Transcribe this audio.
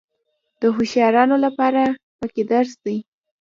د هوښیارانو لپاره پکې درس دی.